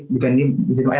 bukan ini bukan doa ya